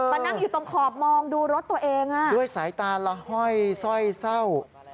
นั่งอยู่ตรงขอบมองดูรถตัวเองด้วยสายตาละห้อยสร้อยเศร้า